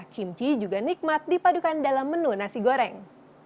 kimchi juga nikmat dipadukan dalam menu nasi goreng